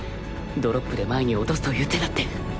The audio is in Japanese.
ドロップで前に落とすという手だって